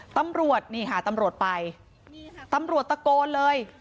ตำรวจนี่ค่ะตำรวจไปตำรวจตะโกนเลย